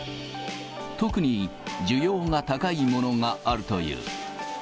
特に需要が高いものがあるという。